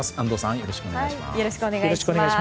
よろしくお願いします。